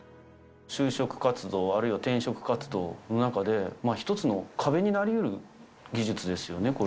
就職活動、あるいは転職活動の中で、一つの壁になりうる技術ですよね、これ。